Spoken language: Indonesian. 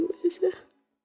aku bisa ketemu sama mama